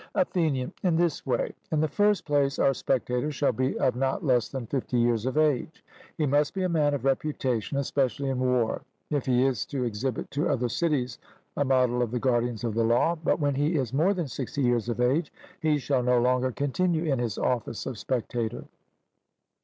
ATHENIAN: In this way: In the first place, our spectator shall be of not less than fifty years of age; he must be a man of reputation, especially in war, if he is to exhibit to other cities a model of the guardians of the law, but when he is more than sixty years of age he shall no longer continue in his office of spectator.